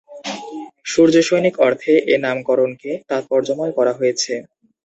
সূর্যসৈনিক অর্থে এ নামকরণকে তাৎপর্যময় করা হয়েছে।